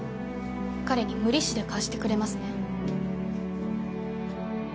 彼に無利子で貸してくれますね？